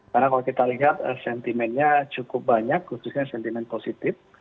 karena kalau kita lihat sentimennya cukup banyak khususnya sentimen positif